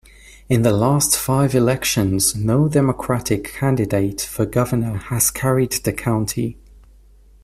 In the last five elections no Democratic candidate for governor has carried the county.